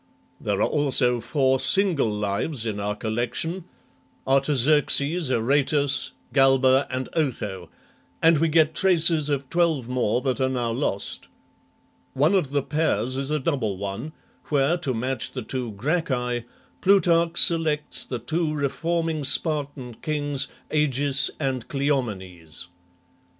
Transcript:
There are also four single Lives in our collection, Artaxerxes, Aratus, Galba, and Otho, and we get traces of twelve more that are now lost. One of the pairs is a double one, where, to match the two Gracchi, Plutarch selects the two reforming Spartan kings, Agis and Cleomenes.